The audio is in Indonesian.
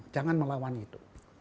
jangan melawan itu